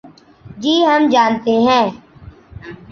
جی ہم جانتے ہیں۔